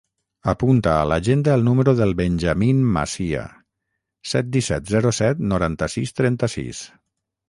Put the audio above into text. Apunta a l'agenda el número del Benjamín Macia: set, disset, zero, set, noranta-sis, trenta-sis.